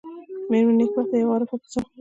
مېرمن نېکبخته یوه عارفه ښځه وه.